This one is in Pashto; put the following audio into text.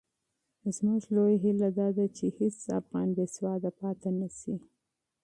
زموږ لویه هیله دا ده چې هېڅ افغان بې سواده پاتې نه سي.